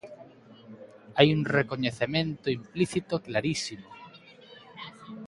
Hai un recoñecemento implícito clarísimo.